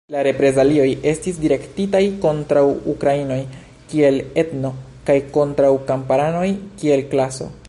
La reprezalioj estis direktitaj kontraŭ ukrainoj kiel etno kaj kontraŭ kamparanoj kiel klaso.